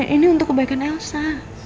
ini untuk kebaikan elsa